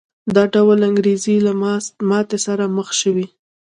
دا ډول انګېزې له ماتې سره مخ شوې.